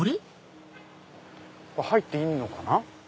入っていいのかな？